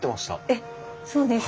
えっそうですか。